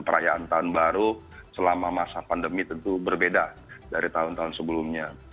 perayaan tahun baru selama masa pandemi tentu berbeda dari tahun tahun sebelumnya